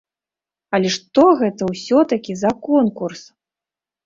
Але што гэта ўсё-такі за конкурс?